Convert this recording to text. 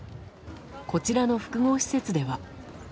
こちらの複合施設では。